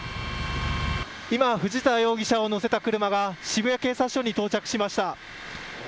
今、藤田容疑者を乗せた車が渋谷警察署に到着しました。